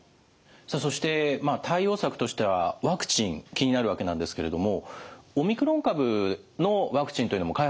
そして対応策としてはワクチン気になるわけなんですけれどもオミクロン株のワクチンというのも開発されてるんですよね？